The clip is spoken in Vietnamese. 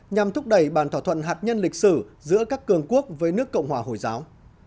nhằm thúc đẩy bàn thỏa thuận hạt nhân lịch sử giữa các cường quốc với nước cộng hòa hồi giáo